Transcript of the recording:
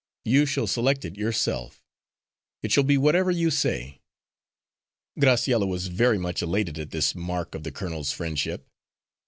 You shall select it yourself; it shall be whatever you say." Graciella was very much elated at this mark of the colonel's friendship.